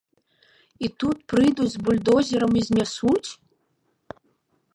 І тут прыйдуць з бульдозерам і знясуць?!